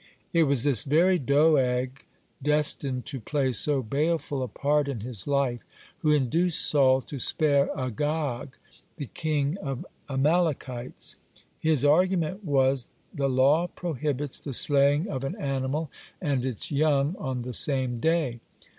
(60) It was this very Doeg, destined to play so baleful a part in his life, who induced Saul to spare Agag, the king of Amalekites. His argument was the law prohibits the slaying of an animal and its young on the same day.